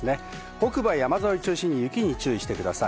北部は山沿いを中心に雪に注意してください。